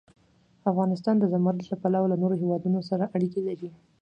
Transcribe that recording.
افغانستان د زمرد له پلوه له نورو هېوادونو سره اړیکې لري.